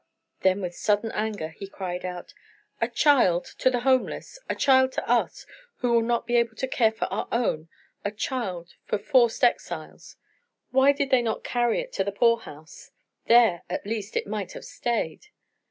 Then with sudden anger he cried out: "A child, to the homeless! A child to us, who will not be able to care for our own a child for forced exiles! Why did they not carry it to the poor house? There, at least, it might have stayed!"